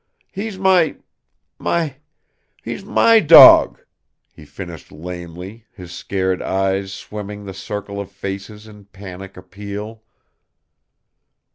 He's my my he's my dawg!" he finished lamely, his scared eyes sweeping the circle of faces in panic appeal.